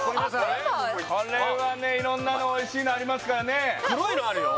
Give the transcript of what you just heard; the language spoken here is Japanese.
これはね色んなのおいしいのありますからね黒いのあるよ